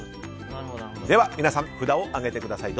では皆さん札を上げてください。